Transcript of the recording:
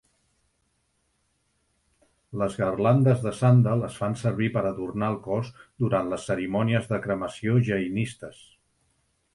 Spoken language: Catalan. Les garlandes de sàndal es fan servir per adornar el cos durant les cerimònies de cremació jainistes.